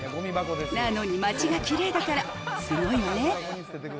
なのに街がきれいだから、すごいわね。